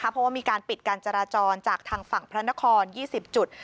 เพราะว่ามีการปิดการจราจรจากทางฝั่งพระนคร๒๐จุด